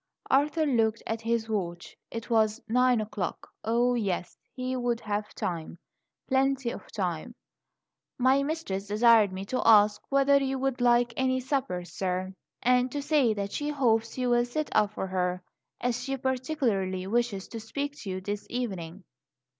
Arthur looked at his watch; it was nine o'clock. Oh, yes! he would have time plenty of time "My mistress desired me to ask whether you would like any supper, sir; and to say that she hopes you will sit up for her, as she particularly wishes to speak to you this evening."